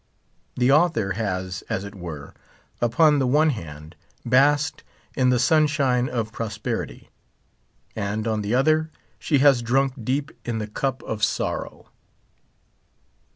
The author has, as it were, upon the one hand, basked in the sunshine of prosperity ; and on the other, she has drunk deep in the cup of sorrow.